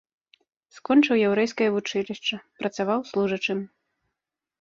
Скончыў яўрэйскае вучылішча, працаваў служачым.